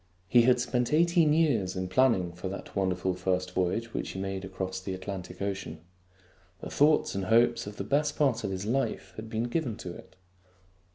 He had spent eighteen years in planning for that wonderful first voyage which he made across the Atlantic Ocean. The thoughts and hopes of the best part of his life had been given to it.